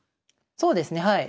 そうですねはい。